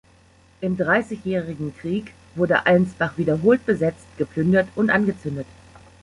Im Dreißigjährigen Krieg wurde Allensbach wiederholt besetzt, geplündert und angezündet.